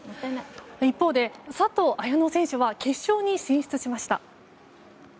一方、佐藤綾乃選手は決勝に進出しました。